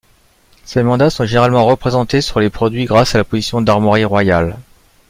Ces mandats sont généralement représentés sur les produits grâce à l'apposition d'armoiries royales.